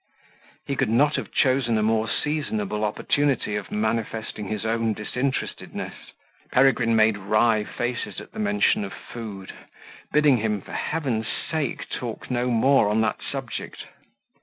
He could not have chosen a more seasonable opportunity of manifesting his own disinterestedness. Peregrine made wry faces at the mention of food, bidding him, for Heaven's sake, talk no more on that subject.